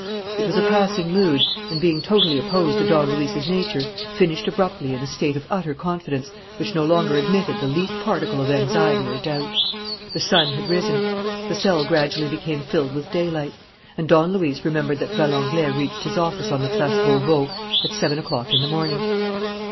It was a passing mood and, being totally opposed to Don Luis's nature, finished abruptly in a state of utter confidence which no longer admitted the least particle of anxiety or doubt. The sun had risen. The cell gradually became filled with daylight. And Don Luis remembered that Valenglay reached his office on the Place Beauveau at seven o'clock in the morning.